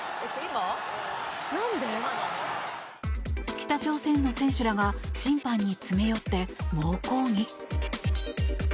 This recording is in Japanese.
北朝鮮の選手らが審判に詰め寄って猛抗議。